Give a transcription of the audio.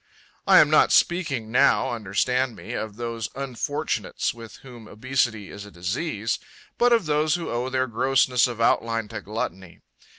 I am not speaking now, understand me, of those unfortunates with whom obesity is a disease, but of those who owe their grossness of outline to gluttony.